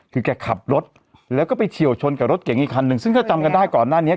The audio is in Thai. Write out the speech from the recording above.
คือแกขับรถแล้วก็ไปเฉียวชนกับรถเก่งอีกคันหนึ่งซึ่งถ้าจำกันได้ก่อนหน้านี้